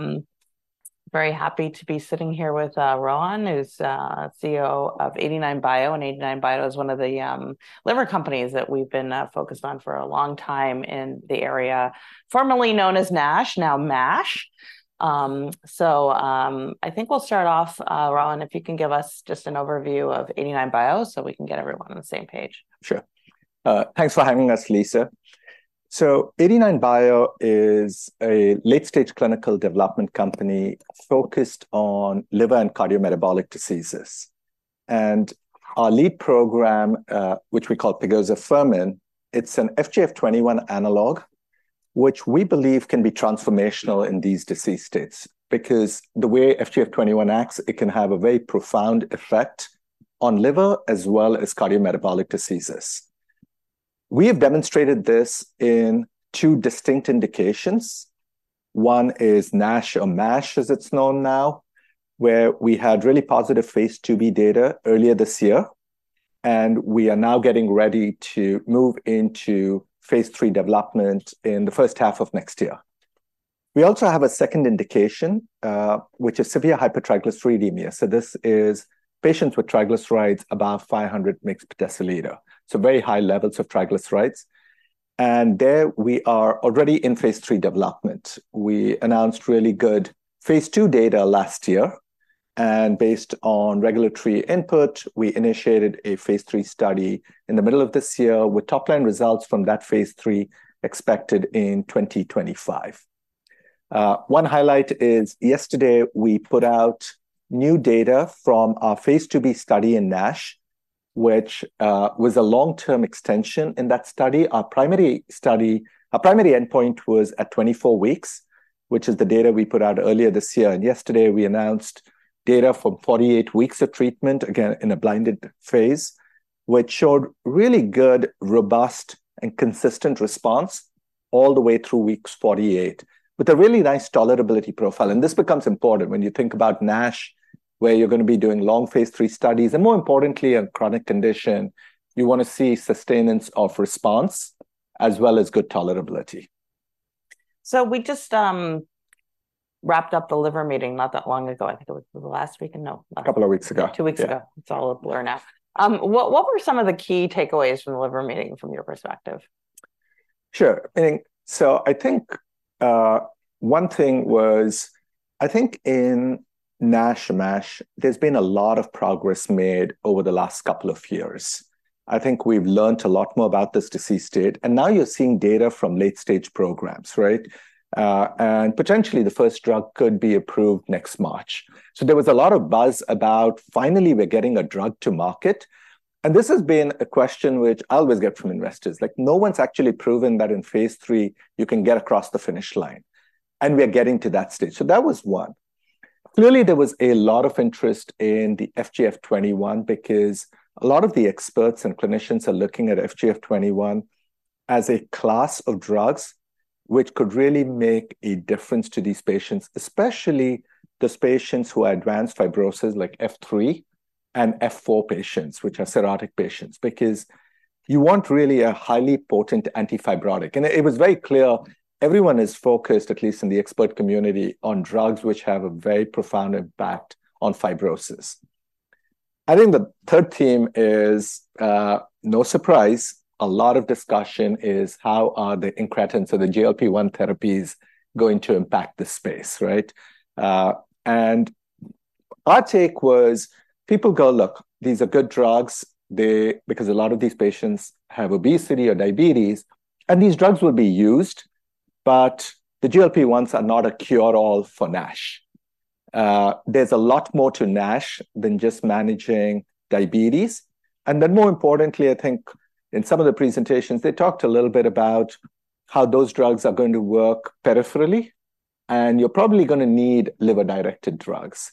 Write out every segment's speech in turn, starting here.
I'm very happy to be sitting here with Rohan, who's CEO of 89bio, and 89bio is one of the liver companies that we've been focused on for a long time in the area formerly known as NASH, now MASH. So, I think we'll start off, Rohan, if you can give us just an overview of 89bio so we can get everyone on the same page. Sure. Thanks for having us, Lisa. So 89bio is a late-stage clinical development company focused on liver and cardiometabolic diseases. And our lead program, which we call pegozafermin, it's an FGF21 analog, which we believe can be transformational in these disease states. Because the way FGF21 acts, it can have a very profound effect on liver as well as cardiometabolic diseases. We have demonstrated this in two distinct indications. One is NASH or MASH, as it's known now, where we had really positive phase IIb data earlier this year, and we are now getting ready to move into phase III development in the first half of next year. We also have a second indication, which is severe hypertriglyceridemia. So this is patients with triglycerides above 500 mg/dL, so very high levels of triglycerides, and there we are already in phase III development. We announced really good phase II data last year, and based on regulatory input, we initiated a phase III study in the middle of this year, with top-line results from that phase III expected in 2025. One highlight is yesterday we put out new data from our phase IIb study in NASH, which was a long-term extension in that study. Our primary endpoint was at 24 weeks, which is the data we put out earlier this year, and yesterday we announced data from 48 weeks of treatment, again, in a blinded phase, which showed really good, robust, and consistent response all the way through weeks 48, with a really nice tolerability profile. This becomes important when you think about NASH, where you're going to be doing long phase III studies, and more importantly, a chronic condition, you want to see sustenance of response as well as good tolerability. So we just wrapped up the Liver Meeting not that long ago. I think it was the last week. A couple of weeks ago. Two weeks ago. Yeah. It's all a blur now. What, what were some of the key takeaways from the Liver Meeting, from your perspective? Sure. I think so I think one thing was, I think in NASH, MASH, there's been a lot of progress made over the last couple of years. I think we've learned a lot more about this disease state, and now you're seeing data from late-stage programs, right? And potentially, the first drug could be approved next March. So there was a lot of buzz about finally, we're getting a drug to market, and this has been a question which I always get from investors. Like, no one's actually proven that in phase III, you can get across the finish line, and we are getting to that stage. So that was one. Clearly, there was a lot of interest in the FGF21, because a lot of the experts and clinicians are looking at FGF21 as a class of drugs, which could really make a difference to these patients, especially those patients who are advanced fibrosis, like F3 and F4 patients, which are cirrhotic patients, because you want really a highly potent anti-fibrotic. And it, it was very clear everyone is focused, at least in the expert community, on drugs which have a very profound impact on fibrosis. I think the third theme is, no surprise, a lot of discussion is how are the incretins or the GLP-1 therapies going to impact the space, right? And our take was, people go, "Look, these are good drugs." They, because a lot of these patients have obesity or diabetes, and these drugs will be used, but the GLP-1s are not a cure-all for NASH. There's a lot more to NASH than just managing diabetes. And then, more importantly, I think in some of the presentations, they talked a little bit about how those drugs are going to work peripherally, and you're probably going to need liver-directed drugs.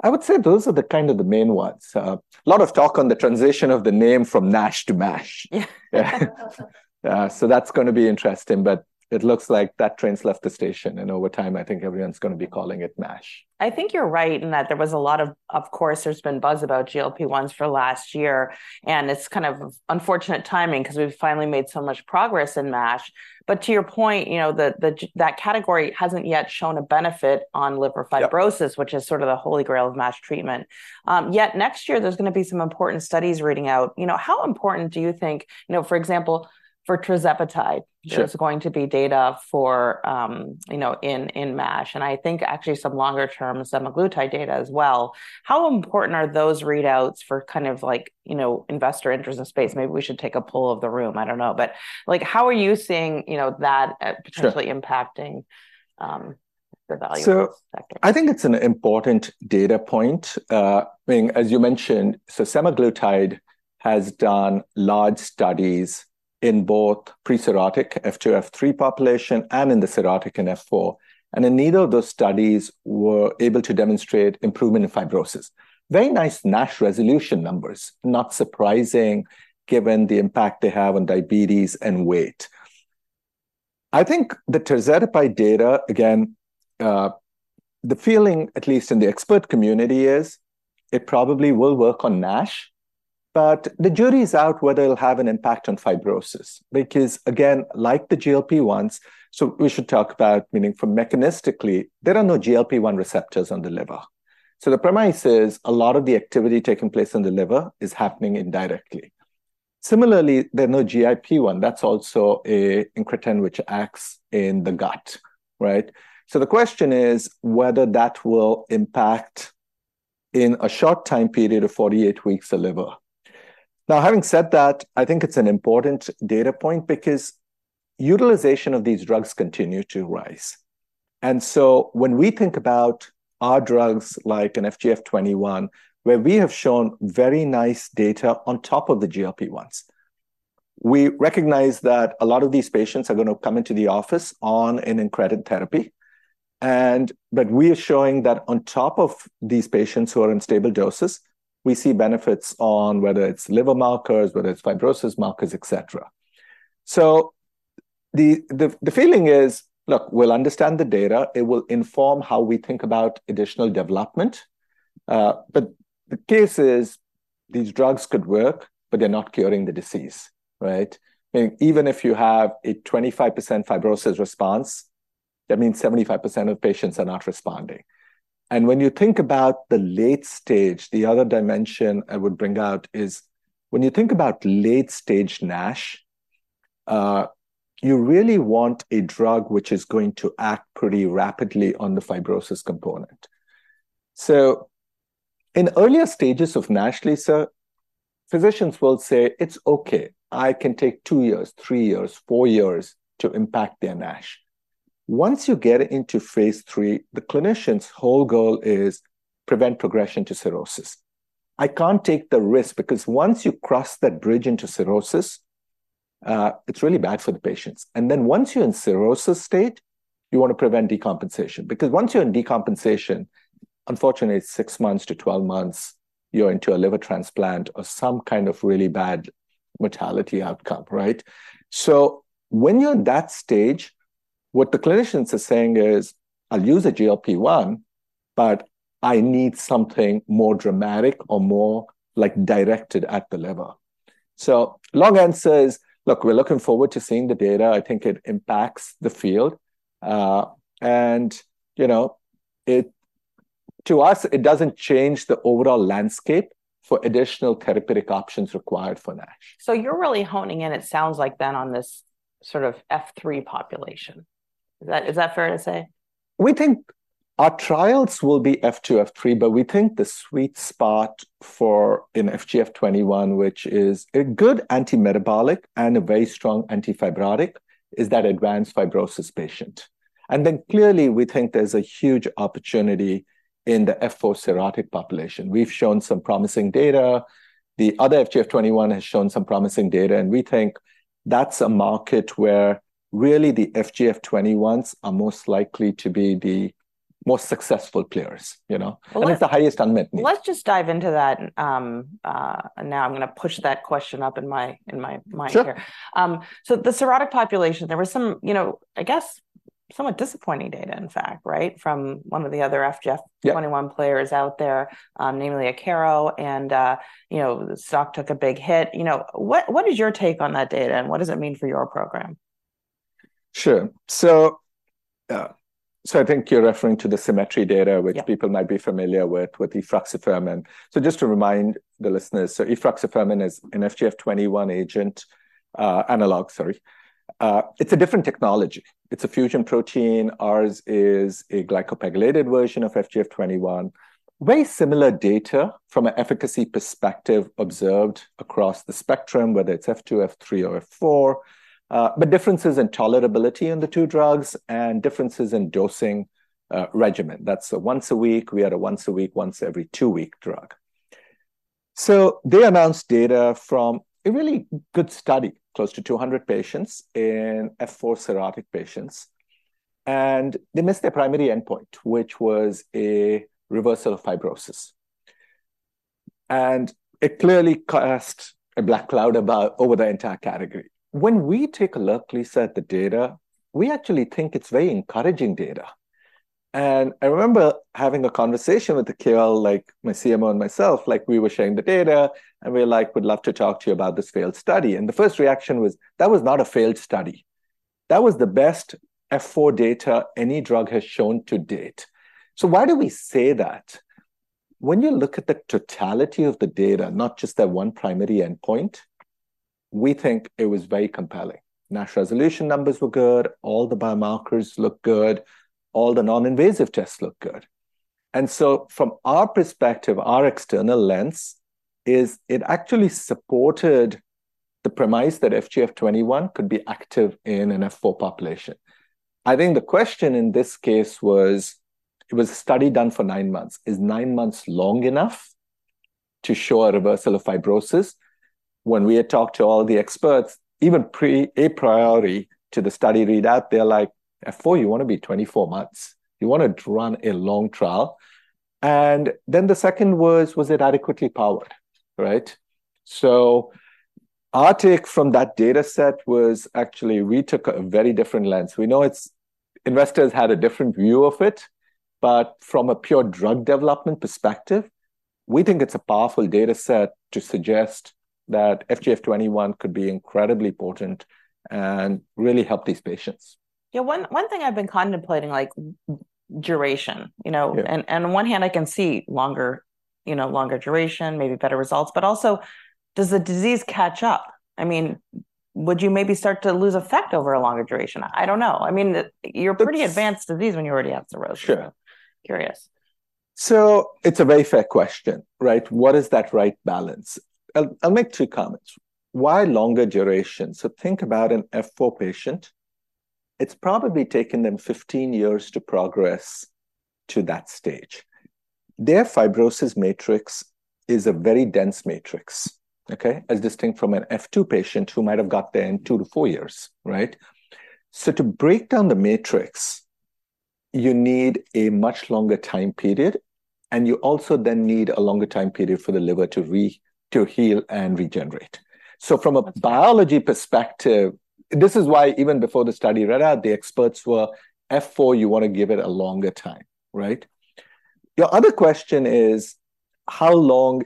I would say those are the kind of the main ones. A lot of talk on the transition of the name from NASH to MASH. Yeah. That's going to be interesting, but it looks like that train's left the station, and over time, I think everyone's going to be calling it MASH. I think you're right in that there was a lot of... Of course, there's been buzz about GLP-1s for the last year, and it's kind of unfortunate timing, because we've finally made so much progress in MASH. But to your point, you know, that category hasn't yet shown a benefit on liver fibrosis- Yeah... which is sort of the holy grail of MASH treatment. Yet next year, there's going to be some important studies reading out. You know, how important do you think-- You know, for example, for tirzepatide- Sure There's going to be data for, you know, in MASH, and I think actually some longer-term semaglutide data as well. How important are those readouts for kind of like, you know, investor interest in space? Maybe we should take a poll of the room. I don't know. But, like, how are you seeing, you know, that, Sure... potentially impacting, the value? So I think it's an important data point. I mean, as you mentioned, so semaglutide has done large studies in both pre-cirrhotic F2, F3 population and in the cirrhotic in F4, and in neither of those studies were able to demonstrate improvement in fibrosis. Very nice NASH resolution numbers. Not surprising, given the impact they have on diabetes and weight. I think the tirzepatide data, again, the feeling, at least in the expert community, is it probably will work on NASH.... but the jury is out whether it'll have an impact on fibrosis, because, again, like the GLP-1s, so we should talk about meaning from mechanistically, there are no GLP-1 receptors on the liver. So the premise is a lot of the activity taking place on the liver is happening indirectly. Similarly, there are no GIP. That's also a incretin which acts in the gut, right? So the question is whether that will impact in a short time period of 48 weeks the liver. Now, having said that, I think it's an important data point because utilization of these drugs continue to rise. And so when we think about our drugs, like an FGF21, where we have shown very nice data on top of the GLP-1s, we recognize that a lot of these patients are gonna come into the office on an incretin therapy, and but we are showing that on top of these patients who are in stable doses, we see benefits on whether it's liver markers, whether it's fibrosis markers, et cetera. So the feeling is, look, we'll understand the data. It will inform how we think about additional development. But the case is these drugs could work, but they're not curing the disease, right? I mean, even if you have a 25% fibrosis response, that means 75% of patients are not responding. When you think about the late stage, the other dimension I would bring out is when you think about late-stage NASH, you really want a drug which is going to act pretty rapidly on the fibrosis component. In earlier stages of NASH, Lisa, physicians will say, "It's okay. I can take 2 years, 3 years, 4 years to impact their NASH." Once you get into phase 3, the clinician's whole goal is prevent progression to cirrhosis. I can't take the risk because once you cross that bridge into cirrhosis, it's really bad for the patients. And then, once you're in cirrhosis state, you want to prevent decompensation, because once you're in decompensation, unfortunately, it's 6-12 months, you're into a liver transplant or some kind of really bad mortality outcome, right? So when you're in that stage, what the clinicians are saying is, "I'll use a GLP-1, but I need something more dramatic or more, like, directed at the liver." So long answer is, look, we're looking forward to seeing the data. I think it impacts the field, and you know, to us, it doesn't change the overall landscape for additional therapeutic options required for NASH. So you're really honing in, it sounds like then, on this sort of F3 population. Is that, is that fair to say? We think our trials will be F2, F3, but we think the sweet spot for an FGF21, which is a good antimetabolic and a very strong antifibrotic, is that advanced fibrosis patient. And then, clearly, we think there's a huge opportunity in the F4 cirrhotic population. We've shown some promising data. The other FGF21 has shown some promising data, and we think that's a market where really the FGF21s are most likely to be the most successful players, you know? I mean, it's the highest unmet need. Let's just dive into that. Now I'm gonna push that question up in my, in my mind here. Sure. So the cirrhotic population, there were some, you know, I guess, somewhat disappointing data, in fact, right, from one of the other FGF- Yeah... 21 players out there, namely Akero, and you know, the stock took a big hit. You know, what is your take on that data, and what does it mean for your program? Sure. So, I think you're referring to the SYMMETRY data- Yeah... which people might be familiar with, with efruxifermin. So just to remind the listeners, so efruxifermin is an FGF21 agent, analog, sorry. It's a different technology. It's a fusion protein. Ours is a glycoPEGylated version of FGF21. Very similar data from an efficacy perspective observed across the spectrum, whether it's F2, F3, or F4, but differences in tolerability in the two drugs and differences in dosing regimen. That's a once a week. We had a once a week, once every two week drug. So they announced data from a really good study, close to 200 patients in F4 cirrhotic patients, and they missed their primary endpoint, which was a reversal of fibrosis. And it clearly cast a black cloud about over the entire category. When we take a look, Lisa, at the data, we actually think it's very encouraging data. And I remember having a conversation with the KOL, like my CMO and myself, like we were sharing the data, and we were like: "We'd love to talk to you about this failed study." And the first reaction was, "That was not a failed study. That was the best F4 data any drug has shown to date." So why do we say that? When you look at the totality of the data, not just that one primary endpoint, we think it was very compelling. NASH resolution numbers were good, all the biomarkers looked good, all the non-invasive tests looked good. And so from our perspective, our external lens, is it actually supported the premise that FGF21 could be active in an F4 population. I think the question in this case was, it was a study done for nine months. Is nine months long enough to show a reversal of fibrosis? When we had talked to all the experts, even prior to the study readout, they're like, "F4, you want to be 24 months. You want to run a long trial." And then the second was: Was it adequately powered, right? So, our take from that data set was actually we took a very different lens. We know it's investors had a different view of it, but from a pure drug development perspective, we think it's a powerful data set to suggest that FGF21 could be incredibly potent and really help these patients. Yeah, one thing I've been contemplating, like, duration, you know? Yeah. On one hand, I can see longer, you know, longer duration, maybe better results, but also does the disease catch up? I mean, would you maybe start to lose effect over a longer duration? I don't know. I mean, you're pretty advanced disease when you already have cirrhosis. Sure. Curious. So it's a very fair question, right? What is that right balance? I'll make two comments. Why longer duration? So think about an F4 patient. It's probably taken them 15 years to progress to that stage. Their fibrosis matrix is a very dense matrix, okay? As distinct from an F2 patient who might have got there in two to four years, right? So to break down the matrix, you need a much longer time period, and you also then need a longer time period for the liver to heal and regenerate. So from a biology perspective, this is why even before the study read out, the experts were, F4, you want to give it a longer time, right? Your other question is, how long...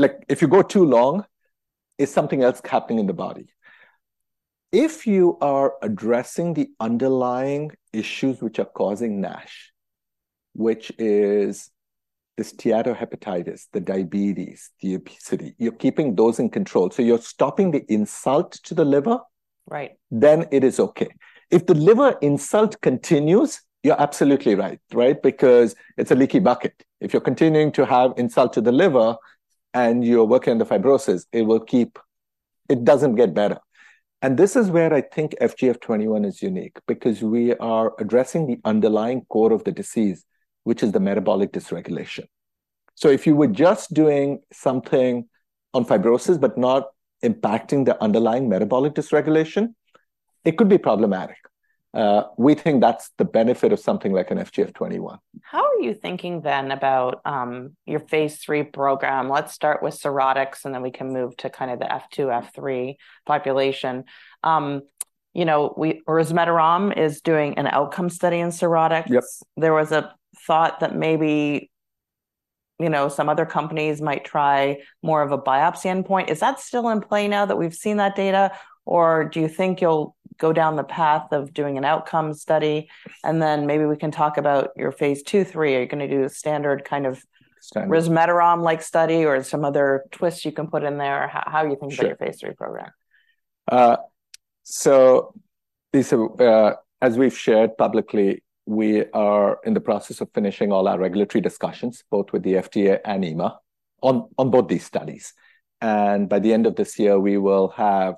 Like, if you go too long, is something else happening in the body? If you are addressing the underlying issues which are causing NASH, which is the steatohepatitis, the diabetes, the obesity, you're keeping those in control, so you're stopping the insult to the liver- Right. Then it is okay. If the liver insult continues, you're absolutely right, right? Because it's a leaky bucket. If you're continuing to have insult to the liver and you're working on the fibrosis, it will keep... It doesn't get better. And this is where I think FGF21 is unique, because we are addressing the underlying core of the disease, which is the metabolic dysregulation. So if you were just doing something on fibrosis but not impacting the underlying metabolic dysregulation, it could be problematic. We think that's the benefit of something like an FGF21. How are you thinking then about your Phase III program? Let's start with cirrhotics, and then we can move to kind of the F2, F3 population. You know, resmetirom is doing an outcome study in cirrhotics. Yep. There was a thought that maybe, you know, some other companies might try more of a biopsy endpoint. Is that still in play now that we've seen that data, or do you think you'll go down the path of doing an outcome study? Then maybe we can talk about your phase II, III. Are you going to do a standard kind of- Standard. resmetirom-like study or some other twists you can put in there? How, how are you thinking Sure. about your phase III program? So these, as we've shared publicly, we are in the process of finishing all our regulatory discussions, both with the FDA and EMA, on both these studies. And by the end of this year, we will have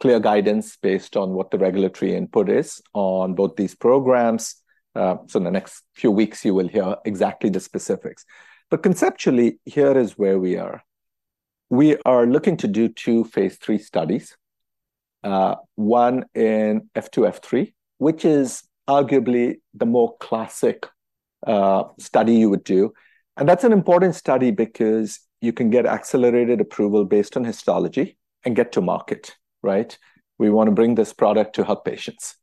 clear guidance based on what the regulatory input is on both these programs. So in the next few weeks, you will hear exactly the specifics. But conceptually, here is where we are. We are looking to do two phase III studies, one in F2, F3, which is arguably the more classic study you would do. And that's an important study because you can get accelerated approval based on histology and get to market, right? We want to bring this product to help patients.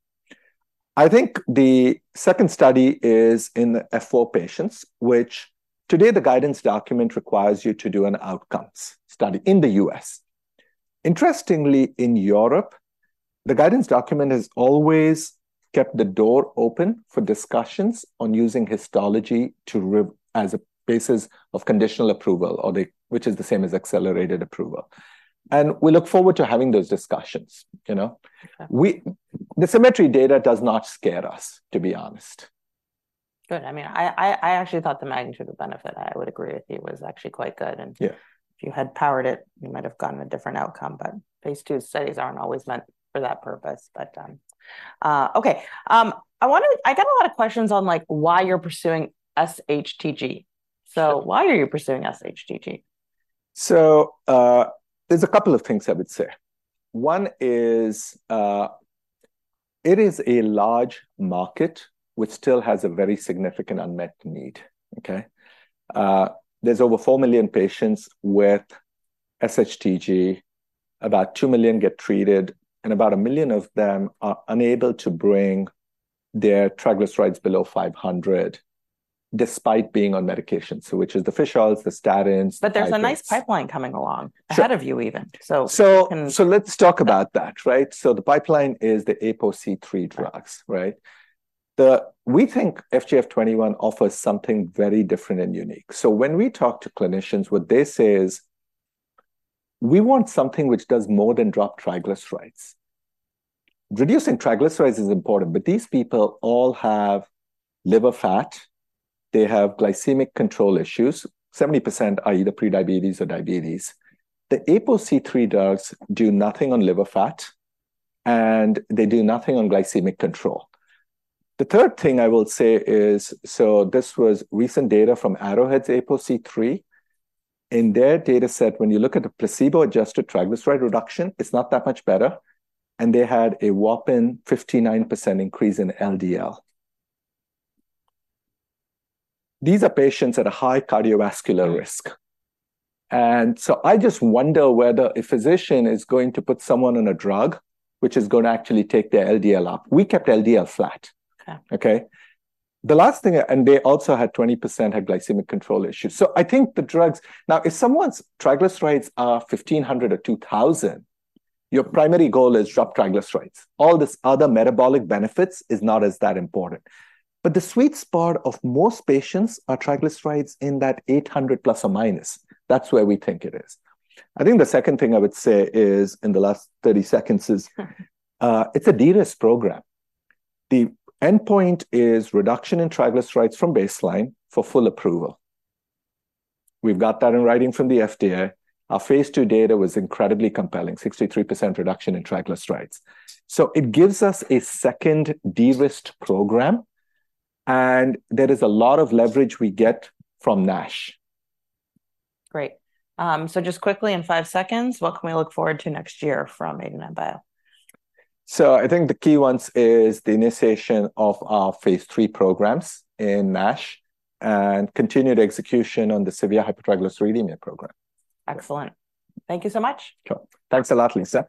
I think the second study is in the F4 patients, which today the guidance document requires you to do an outcomes study in the U.S. Interestingly, in Europe, the guidance document has always kept the door open for discussions on using histology as a basis of conditional approval or the, which is the same as accelerated approval. And we look forward to having those discussions, you know. Okay. The symmetry data does not scare us, to be honest. Good. I mean, I actually thought the magnitude of benefit, I would agree with you, was actually quite good, and- Yeah... if you had powered it, you might have gotten a different outcome. But Phase II studies aren't always meant for that purpose. But, okay, I want to, I got a lot of questions on, like, why you're pursuing SHTG. So why are you pursuing SHTG? So, there's a couple of things I would say. One is, it is a large market which still has a very significant unmet need, okay? There's over 4 million patients with SHTG. About two million get treated, and about 1 million of them are unable to bring their triglycerides below 500, despite being on medication. So which is the fish oils, the statins, the- But there's a nice pipeline coming along- So- ahead of you, even. So- So, let's talk about that, right? So the pipeline is the APOC3 drugs, right? We think FGF21 offers something very different and unique. So when we talk to clinicians, what they say is, "We want something which does more than drop triglycerides." Reducing triglycerides is important, but these people all have liver fat. They have glycemic control issues. 70% are either prediabetes or diabetes. The APOC3 drugs do nothing on liver fat, and they do nothing on glycemic control. The third thing I will say is, so this was recent data from Arrowhead's APOC3. In their data set, when you look at the placebo-adjusted triglyceride reduction, it's not that much better, and they had a whopping 59% increase in LDL. These are patients at a high cardiovascular risk. Yeah. I just wonder whether a physician is going to put someone on a drug which is going to actually take their LDL up. We kept LDL flat. Okay. Okay? The last thing, and they also had 20% had glycemic control issues. So I think the drugs—now, if someone's triglycerides are 1500 or 2000, your primary goal is drop triglycerides. All this other metabolic benefits is not as that important. But the sweet spot of most patients are triglycerides in that 800 ±. That's where we think it is. I think the second thing I would say is, in the last 30 seconds, is—it's a de-risk program. The endpoint is reduction in triglycerides from baseline for full approval. We've got that in writing from the FDA. Our phase II data was incredibly compelling, 63% reduction in triglycerides. So it gives us a second de-risk program, and there is a lot of leverage we get from NASH. Great. So just quickly, in five seconds, what can we look forward to next year from 89bio? I think the key ones is the initiation of our phase III programs in NASH and continued execution on the severe hypertriglyceridemia program. Excellent. Thank you so much. Sure. Thanks a lot, Lisa.